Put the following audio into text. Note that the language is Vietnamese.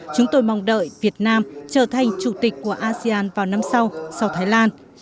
chúng tôi mong đợi việt nam trở thành chủ tịch của asean vào năm sau sau thái lan